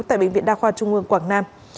tại bệnh viện đa khoa trung ương quảng nam